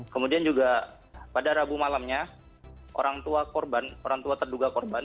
kemudian juga pada rabu malamnya orang tua korban orang tua terduga korban